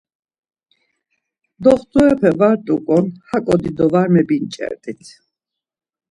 Doxtorepe var t̆uǩon haǩo dido var mebinç̌ert̆it.